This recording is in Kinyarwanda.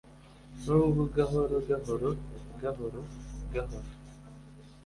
Nubwo gahoro gahoro gahoro gahoro